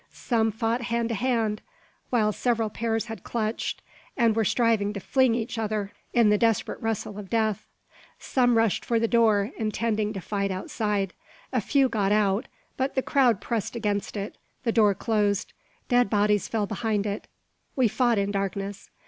Some fought hand to hand; while several pairs had clutched, and were striving to fling each other in the desperate wrestle of death! Some rushed for the door, intending to fight outside. A few got out; but the crowd pressed against it, the door closed, dead bodies fell behind it; we fought in darkness.